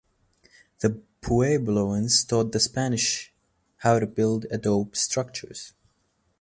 The Puebloans taught the Spanish how to build adobe structures.